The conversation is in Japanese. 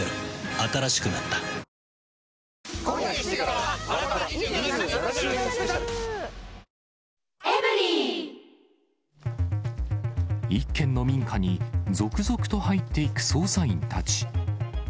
新しくなった１軒の民家に続々と入っていく捜査員たち。